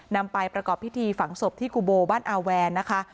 นำไปประกอบพิธีฝังศพที่กุโบบ้านอาแวนนะคะ